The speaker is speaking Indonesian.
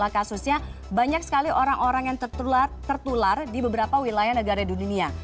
kasusnya banyak sekali orang orang yang tertular di beberapa wilayah negara di dunia